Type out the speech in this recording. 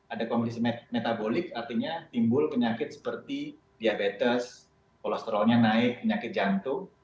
ada kondisi metabolik artinya timbul penyakit seperti diabetes kolesterolnya naik penyakit jantung